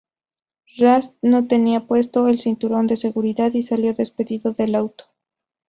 Rasch no tenía puesto el cinturón de seguridad y salió despedido del auto.